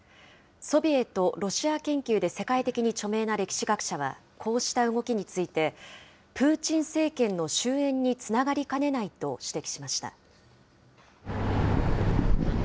ソビエト・ロシア研究で世界的に著名な歴史学者は、こうした動きについて、プーチン政権の終えんにつながりかねないと指摘しました。